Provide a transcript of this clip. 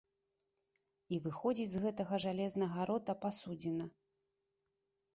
І выходзіць з гэтага жалезнага рота пасудзіна.